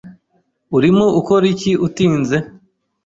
Urimo ukora iki utinze?